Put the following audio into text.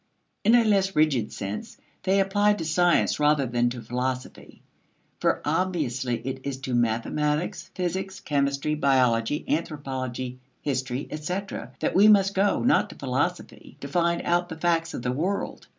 In a less rigid sense, they apply to science rather than to philosophy. For obviously it is to mathematics, physics, chemistry, biology, anthropology, history, etc. that we must go, not to philosophy, to find out the facts of the world.